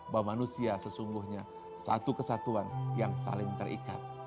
bahwa manusia sesungguhnya satu kesatuan yang saling terikat